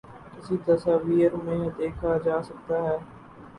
کی تصاویر میں دیکھا جاسکتا ہے